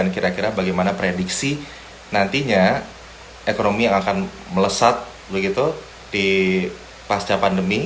kira kira bagaimana prediksi nantinya ekonomi yang akan melesat begitu di pasca pandemi